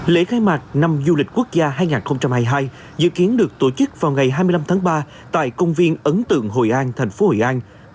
lễ khai mạc năm du lịch quốc gia hai nghìn hai mươi hai dự kiến được tổ chức vào ngày hai mươi năm tháng ba tại công viên ấn tượng hội an thành phố hội an